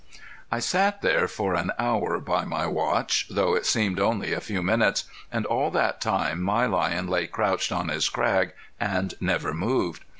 I sat there for an hour by my watch, though it seemed only a few minutes, and all that time my lion lay crouched on his crag and never moved.